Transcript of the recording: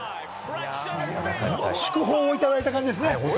祝砲をいただいた感じですね。